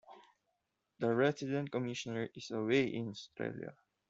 The Resident Commissioner is away in Australia.